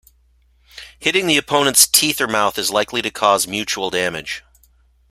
Hitting the opponent's teeth or mouth is likely to cause mutual damage.